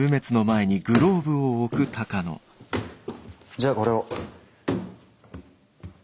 じゃあこれを。